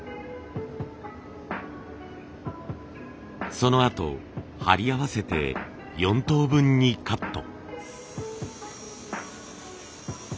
そのあと貼り合わせて４等分にカット。